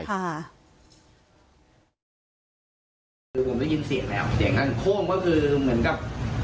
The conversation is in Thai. คือผมได้ยินเสียงแล้วเสียงข้างโค้งก็คือเหมือนกับ